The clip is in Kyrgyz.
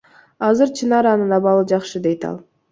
Азыр Чынаранын абалы жакшы, — дейт ал.